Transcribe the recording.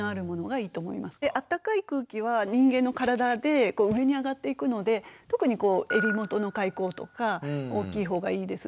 あったかい空気は人間の体で上に上がっていくので特に襟元の開口とか大きい方がいいです。